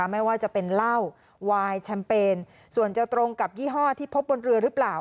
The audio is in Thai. ไม่ว่าจะเป็นเหล้าวายแชมเปญส่วนจะตรงกับยี่ห้อที่พบบนเรือหรือเปล่า